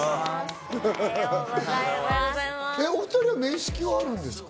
お２人は面識はあるんですか？